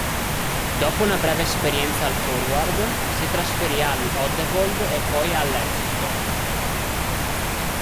Dopo una breve esperienza al Forward, si trasferì all'Oddevold e poi all'Elfsborg.